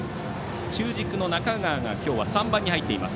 中軸の中川が、きょうは３番に入っています。